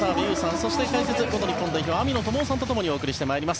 そして、解説、元日本代表網野友雄さんとともにお送りしていきます。